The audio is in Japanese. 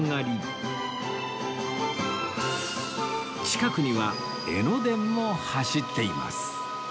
近くには江ノ電も走っています